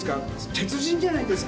鉄人じゃないですか？